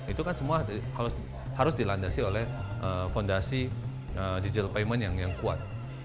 itu kan semua harus dilandasi oleh fondasi digital payment yang kuat